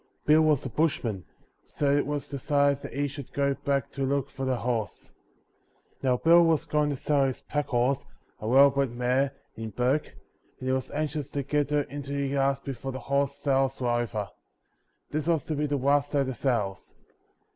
Bill was a bushman, so it was decided that he should go back to look for the horse. Now Bill was going to sell his packhorse, a well bred mare, in Bourke, and he was anxious to get her into the yards before the horse sales were over; this was to be the last day of the sales.